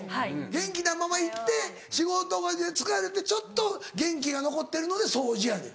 元気なまま行って仕事場で疲れてちょっと元気が残ってるので掃除やねん。